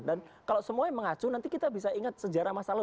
dan kalau semuanya mengacu nanti kita bisa ingat sejarah masa lalu